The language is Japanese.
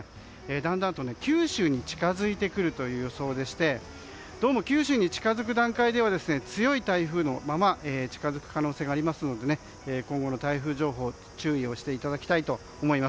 だんだんと九州に近づいてくる予想でどうも九州に近づく段階では強い台風のまま近づく可能性がありますので今後の台風情報に注意をしてください。